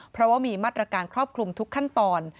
เพราะว่ามีมาตรการครอบคลุมทุกขั้นตอน